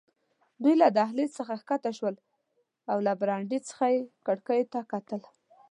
دوی له دهلېز څخه کښته شول او له برنډې څخه یې کړکیو ته کتل.